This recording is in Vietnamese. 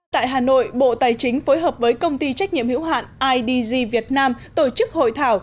tại hà nội bộ tài chính phối hợp với công ty trách nhiệm hữu hạn idg việt nam tổ chức hội thảo